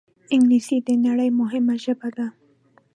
انګلیسي د نړۍ مهمه ژبه ده